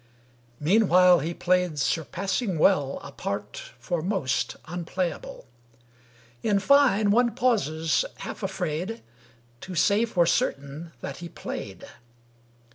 Meanwhile he played surpassing well A part, for most, unplayable; In fine, one pauses, half afraid To say for certain that he played.